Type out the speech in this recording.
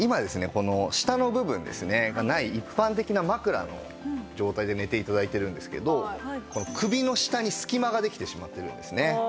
この下の部分がない一般的な枕の状態で寝て頂いているんですけど首の下に隙間ができてしまっているんですね。